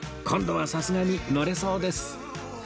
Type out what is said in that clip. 今度はさすがに乗れそうです